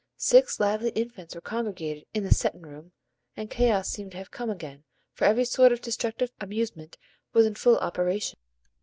Six lively infants were congregated in the "settin' room," and chaos seemed to have come again, for every sort of destructive amusement was in full operation.